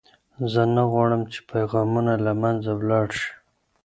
زه نه غواړم چې پیغامونه له منځه ولاړ شي.